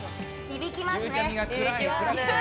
響きますね。